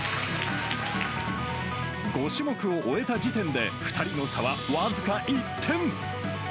５種目を終えた時点で、２人の差は僅か１点。